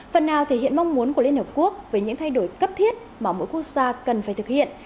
phần nào thể hiện mong muốn của liên hợp quốc về những thay đổi cấp thiết mà mỗi quốc gia cần phải thực hiện